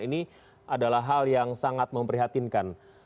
ini adalah hal yang sangat memprihatinkan